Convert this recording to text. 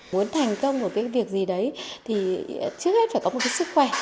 muốn thành công một cái việc gì đấy thì trước hết phải có một cái sức khỏe